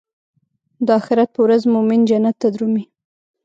د اخرت پر ورځ مومن جنت ته درومي.